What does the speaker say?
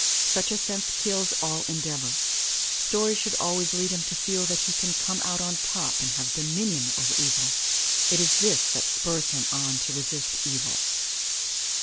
Such a sense kills all en deavor. Stories should always lead him to feel that he can come out on top and have dominion over evil. It is this that spurs him on to resist evil.